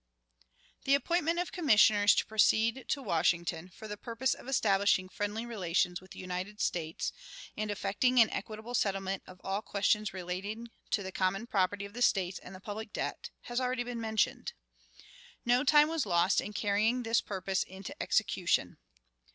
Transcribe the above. The appointment of Commissioners to proceed to Washington, for the purpose of establishing friendly relations with the United States and effecting an equitable settlement of all questions relating to the common property of the States and the public debt, has already been mentioned. No time was lost in carrying this purpose into execution.